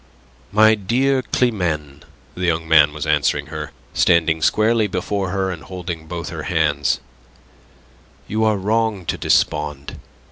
"My dear Climene," the young man was answering her, standing squarely before her, and holding both her hands, "you are wrong to despond.